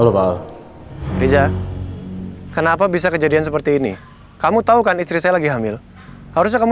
lupa riza kenapa bisa kejadian seperti ini kamu tahu kan istri saya lagi hamil harusnya kamu